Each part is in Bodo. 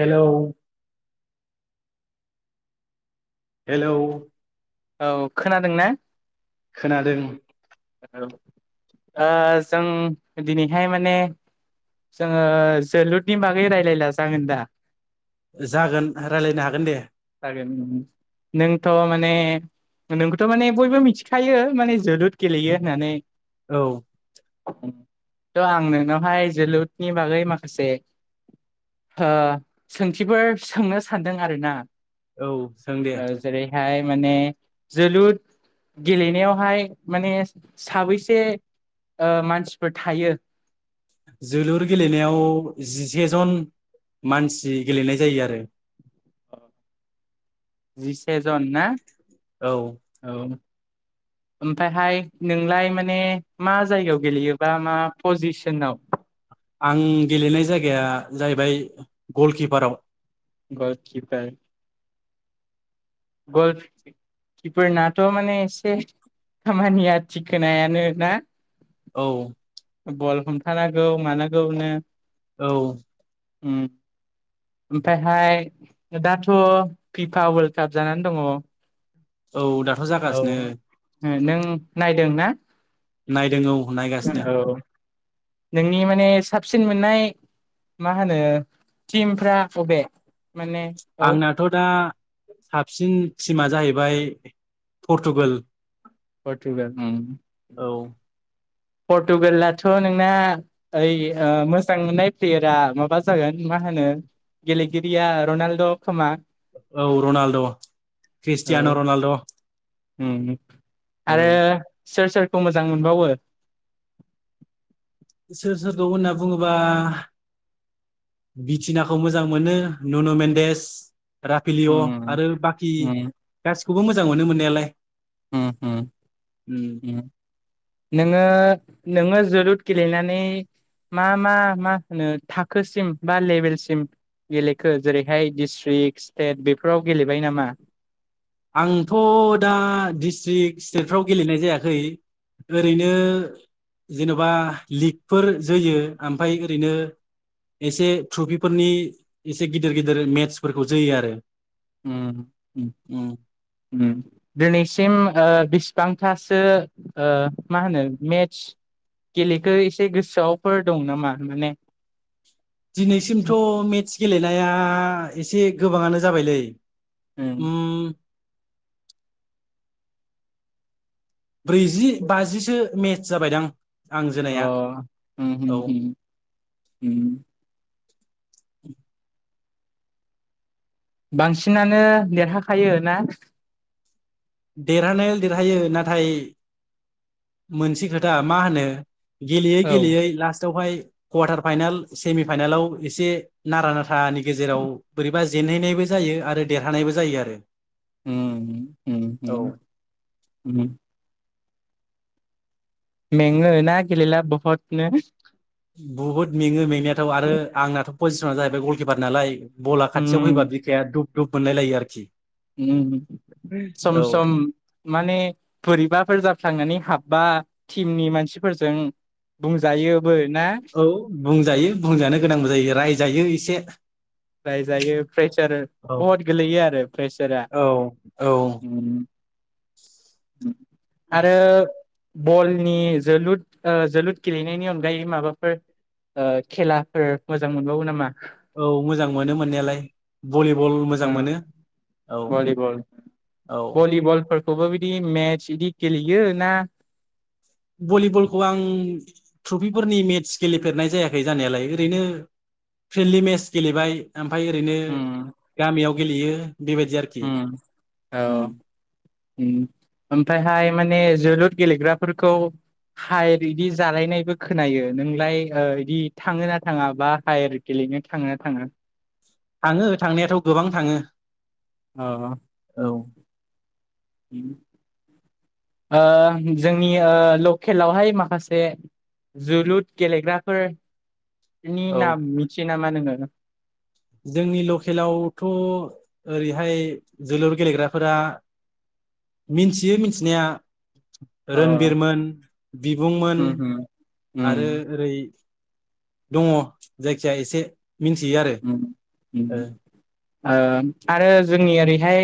हेल' हेल' औ खोनादों ना खोनादों। औ ओ जों दिनैहाय माने जोङो जोलुरनि बागै रायलायला जागोन दा? जागोन राय्लायनो हागोन दे [unintelligible] नोंथ' माने नोंखौथ' माने बयबो मिथिखायो माने जोलुर गेलेयो होननानै औ थ' आं नोंनावहाय जोलुरनि बागै माखासे ओ सोंथिफोर सोंनो सानदों आरोना। औ सों दे ओ जेरैहाय माने जोलुर गेलेनायावहाय माने साबैसे ओ मानसिफोर थायो। जोलुर गेलेनायाव जिसे जन। मानसि गेलेनाय जायो आरो। जिसे जन ना औ औ [inaudible] ओमफायहाय नोंलाय माने मा जायगायाव गेलेयोबा मा पजिसनाव आं गेलेनाय जायगाया जाहैबाय गलकिपाराव गल किफार आव गल किफार नाथ' माने एसे खामानिया थिखोनायानो ना औ बल हमथानांगौ मानांगौनो औ उम ओमफायहाय दाथ' फिफा वर्ल्ड काप जानानै दङ। औ दाथ' जागासिनो ओ नों नायदों ना नायदों औ नायगासिनो औ नोंनि माने साबसिन मोननाय मा होनो टिमफ्रा अबे आंनाथ' दा साबसिन थिमा जाहैबाय पर्टुगाल। पर्तुगाल उम औ पर्टुगलाथ' नोंना ओय ओ मोजां मोननाय प्लेयारा माबा जागोन मा होनो गेलेगिरिया रनाल्द' खोमा औ रनाल्ड' औ खृस्टियान' रनाल्ड' उम आरो सोर सोरखौ मोजां मोनबावो? सोर सोरखौ होनना बुङोबा बिथिनाखौ मोजां मोनो नुनु मेनदेस राफेलिय' उम आरो बाखि उम गासिखौबो मोजां मोनो मोननायालाय। होम होम। उम ओम नोङो नोङो जोलुट गेलेनानै मा मा मा होनो थाखोसिम बा लेबेलसिम गेलेखो जेरैहाय डिस्ट्रिक, स्टेट बेफोराव गेलेबाय नामा? आंथ' दा डिस्ट्रिक स्टेटफ्राव गेलेनाय जायाखै। ओरैनो जेन'बा लिगफोर जोयो ओमफाय ओरैनो एसे ट्रफिफोरनि एसे गिदिर गिदिर मेट्सफोरखौ जोयो आरो। उम उम उम उम दिनैसिम ओ बिसिबां थासो ओ माहोनो मेट्स गेलेखो एसे गोसोआवफोर दं नामा माने दिनैसिमथ' मेट्स गेलेनाया एसे गोबाङानो जाबायलै। उम ब्रैजि बाजिसो मेट्स जाबायदां। आं अ जोनाया होम होम औ होम होम। [inaudible] बांसिनानो देरहाखायो ना? देरहानायालाय देरहायो नाथाय मोनसे खोथा मा होनो गेलेयै औ गेलेयै लास्टावहाय कवार्टार फाइनाल सेमि फाइनालाव एसे नारा नाथ थानि गेजेराव बोरैबा जेनहैनायबो जायो आरो देरहानायबो जायो आरो। उम। उम औ। उम उम मेङो ना गेलेला बहदनो? बुहुद मेङो मेंनायाथ' आरो आंनाथ' पजिसन जाहैबाय गलकिपार नालाय। बला खाथियाव उम फैबा बिखाया दुब दुब मोनलाय लायो आरोखि। उम होम सम औ सम माने बोरैबाफोर जाफ्लांनानै हाबबा टिमनि मानसिफोरजों बुंजायोबो ना औ बुंजायो बुंजानो गोनांबो जायो रायजायो एसे। रायजायो प्रेसार औ बहद गोलैयो आरो प्रेसारा। औ औ उम उम आरो बलनि जोलुद जोलुद गेलेनायनि अनगायै माबाफोर ओ खेलाफोर मोजां मोनबावो नामा? औ मोजां मोनो मोननायालाय भलिबल ओ मोजां मोनो औ। भलिबल औ भलिबलफोरखौबो बिदि मेच इदि गेलेयो ना भलिबलखौ आं ट्रफिफोरनि मेट्स गेलेफेरनाय जायाखै जानायालाय ओरैनो फ्रेन्डलि मेट्स गेलेबाय। ओमफ्राय ओरैनो गामियाव गेलेयो। बेबायदि आरोखि ओम औ उम उम ओमफ्रायहाय माने जोलुर गेलेग्राफोरखौ हायेर इदि जालायनायबो खोनायो नोंलाय इदि थाङो ना थाङा बा हायेर गेले ओरैनो थाङोना थाङा? थाङो थांनायाथ' गोबां थाङो। अ औ ओम ओम। जोंनि लकेलावहाय माखासे जोलुर गेलेग्राफोरनि औ नाम मिथियो नामा नोङो जोंनि लकेलावथ' ओरैहाय जोलुर गेलेग्राफोरा मिथियो मिथिनाया अ रनबिरमोन बिबुंमोन उम उम आरो उम ओरै दङ जायखिया एसे मिथियो आरो उम उम आरो जोंनि ओरैहाय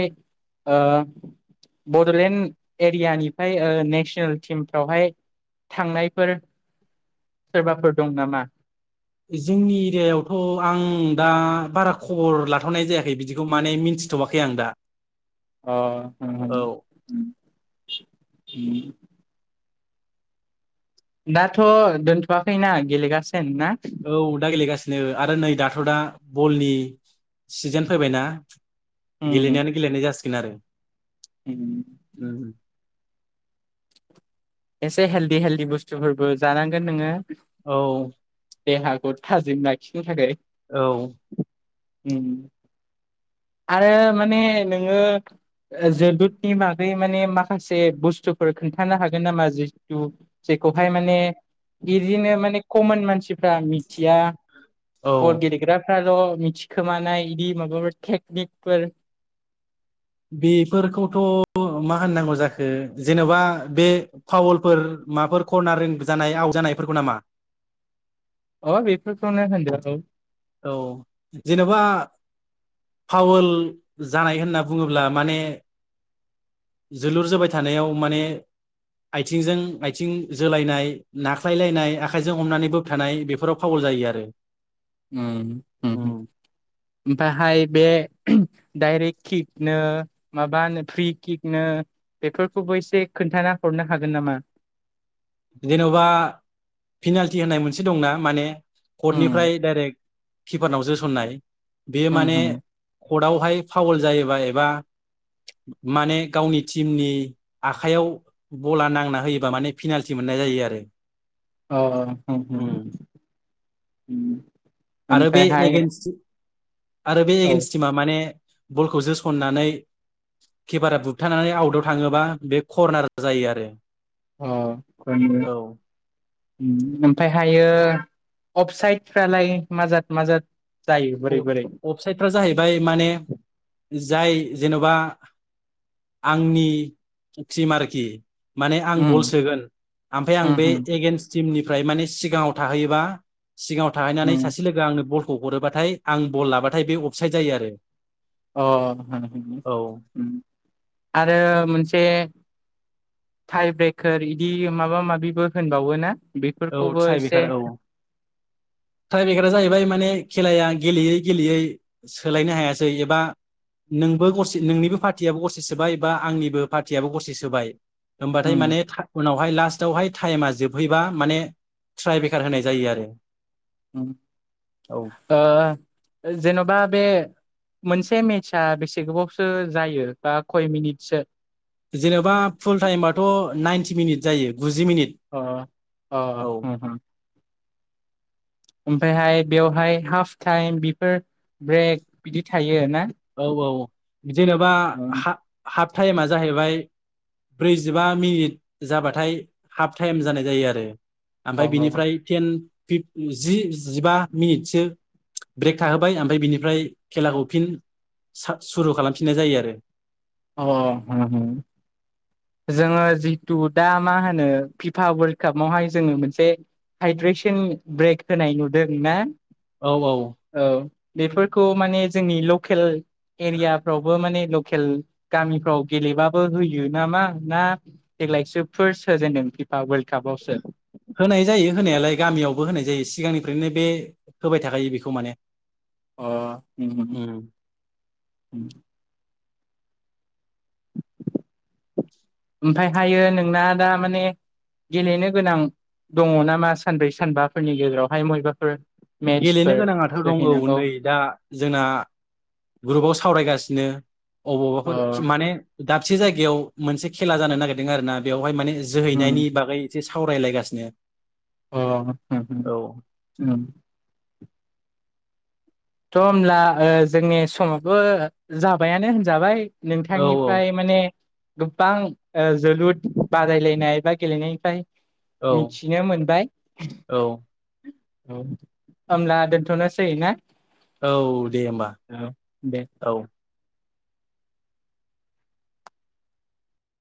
बड'लेण्ड एरियानिफ्राय नेसनेल टिमफ्रावहाय थांनायफोर सोरबाफोर दं नामा जोंनि एरियायावथ' आं दा बारा खबर लाथ'नाय जायाखै बिदिखौ माने मिथि मिथ'माखै आं दा औ अ दाथ' दोनथ'वाखैना गेलेगासिनो ना औ दा गेलेगासिनो आरो नै दाथ' दा बलनि सिजोन फैबायनाा गेलेनायानो गेलेनाय जासिगोन आरो उ एसे हेलदि हेलदि बुस्थुफोरबो जानांगोन नोङो औ देहाखौ थाजिम लाखिनो थाखाय औ आरो माने नोङो जोलुरनि बागै माने माखासे बुस्थुफोर खोनन्थानो हागोन नामा जिथु जेखौहाय माने बिदिनो माने कमन मानसिफ्रा मिथिया औ बल गेलेग्रा फाल' मिथिखोमानाय बिदि माबाफोर टेकनिकफोर बेफोरखौथ' मा होननांगौ जाखो जेन'बा बे फावल माबाफोर करना जानाय आव नायफोरखौ नामा अ बेफनोान्द औ जेने'बा पावोल जानाय होनना बुङोब्ला माने जोलुर जोबाबाय थानायाव माने आथिंजों आथिं जोलायनाय नाख्लायलायनाय आखाइजों हमनानै बोबथानाय बेफोराव फावल जायो आरो उम ओमफ्रायहाय बे डाइरेक्ट किकनो माबानो फ्रि किकनो बेफोरखौबो एसे खोन्थाना हरनो हागोन नामा जेन'बा पिनाल्टि होननाय मोनसे दंना माने उम कर्टनिफ्राय डाइरेक्ट किपारनाव जोसननाय बेयो उम माने उम। कर्टआवहाय फावोल जायोबा एबा माने गावनि टिमनि आखाइयाव बला नांना होयोबा माने फिनाल मिथि मोननाय जायो आरो। अ ओ उम उम आरो बे ओमफ्रायहाय एगेन्स्ट आरो बे औ एगेन्स्ट टिमा माने बलखौ जोसननानै किपारा बुबथानानै आउटाव थाङोबा बे करर्नार जायो आरो। अ [unintelligible] औ उम ओमफ्रायहायो अफसाइद फालाय माजाद माजाद जायो बोरै बोरै अफसाइदफ्रा जाहैबाय माने जाय जेन'बा आंनि टिम आरोखि। माने आं बल उम सोगोन ओमफ्राय आं उम बे उम एगेन्स् टिमनिफ्राय माने सिगाङाव थाहैयोबा सिगाङाव थाहैनानै उम सासे लोगो आंनो बलखौ हरोबा थाय आं बल लाबाथाय बे अफसाइड जायो आरो। अ अम औ आरो मोनसे थाइ ब्रेकार इदि माबा माबिबो होनबावो ना? औ बेफोरखौबो थ्राइ एसे ब्रेखार औ थ्राइ बेखारा जाहैबाय माने खेलाया गेलेयै-गेलेयै सोलायनो हायासै एबा नोंबो गरसे नोंनिबो पार्टियाबो गरसे सोबाय एबा आंनिबो पार्टियआबो गरसे सोबाय। होमबाथाय उम माने था उनावहाय लास्टावहाय टाइमा जोबहैबा माने ट्राय बेखार होनाय जायो आरो। अम औ ओ जेन'बा बे मोनसे मेटचआ बेसे गोबावसो जायो बा खय मिनिटसो? जेनेबा फुल टाइबाथ' नाइनटि मिनिट जायो। गुजि मिनिट अ अ औ ओमफ्रायहाय बेवहाय हाफ टाइम बेफोर ब्रेक बिदि थायो ना? औ औ जेनेबा अ हा हाफ टाइमा जाहैबाय ब्रैजिबा मिनिट जाबाथाय हाफ टाइम जानाय जायो आरो। ओमफ्राय अ बिनिफ्राय टेन फिप जि जिबा मिनिटसो ब्रेक थाहोबाय ओमफ्राय बिनिफ्राय खेलाखौ फिन सा सुरु खालामफिननाय जायो आरो। अ हम हम जोङो जितु दा मा होनो फिफा वर्ल्ड कापावहाय जोङो मोनसे हाइद्रेसन ब्रेक होनाय नुदों ना औ औ बेफोरखौ माने जोंनि लकेल एरियाफ्रावबो माने केल गामिफ्राव गेलेबाबो होयो नामा ना देग्लायसो फार्स्ट होजेनदों फिफा वर्ल्ड कापावसो होनाय जायो होनायालाय गामियावबो होनाय जायो सिगांनिफ्रायनो बे होबाय थाखायो बेखौ माने अ अम उम अम ओमफ्रायहायो नोंना दा माने गेलेनो गोनां दङ' नामा सानब्रै सानबाफोरनि गेजेरावहाय मबेबाफोर? गेलेनो गोनाङाथ' दंगौ नै दा जोंना ग्रुबाव सावरायगासिनो। अ अबावबाफोर माने दाबसे जायगायाव मोनसे खेला जानो नागिरदों आरो ना बेवहाय माने उम जोहैनायनि बागै एसे सावरायलायगासिनो। अ अम औ अम थ' होमब्ला ओ जोंनि समाबो जाबायानो होनजाबाय। औ औ नोंथांनिफ्राय माने गोबां ओ जोलुर बादायलायनाय बा गेलेनायनिफ्राय औ मिथिनो मोनबाय। औ होमब्ला दोनथ'नोसै ना । औ दे होमबा दे औ ।